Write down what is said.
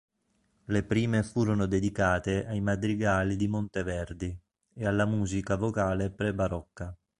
Le prime furono dedicate ai madrigali di Monteverdi, e alla musica vocale pre-barocca.